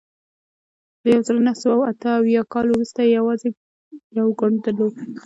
له یوه زرو نهه سوه اته اویا کال وروسته یې یوازې یو ګوند درلود.